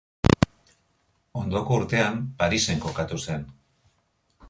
Ondoko urtean Parisen kokatu zen.